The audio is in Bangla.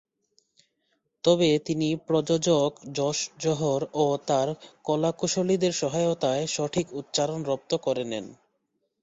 তবে তিনি প্রযোজক যশ জোহর ও তার কলাকুশলীদের সহায়তায় সঠিক উচ্চারণ রপ্ত করে নেন।